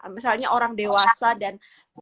misalnya orang dewasa dan